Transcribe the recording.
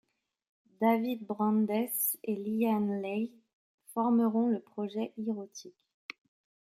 David Brandes et Lyane Leigh formeront le projet E-Rotic.